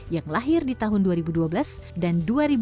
yang lahir di tahun dua ribu dua belas dan dua ribu dua puluh